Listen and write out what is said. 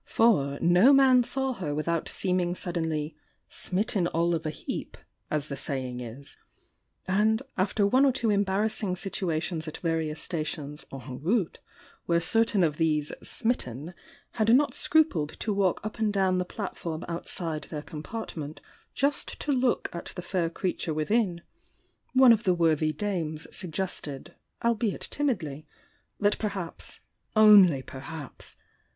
For no man saw her without seeming suddenly smitten ail of a heap," aa the saying is,— and, after one or two embarrassing experiences at various stations en route, where certain of these 'smitten had not scrupled to walk up and down the platform outaide their compartment just to look at the fair crea, ture within, one of the worthy dames suggested albeit timidly, that perhaps only perhaps!